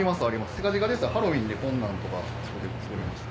近々でしたらハロウィーンでこんなんとか作りました。